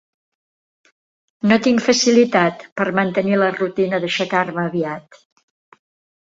No tinc facilitat per mantenir la rutina d'aixecar-me aviat.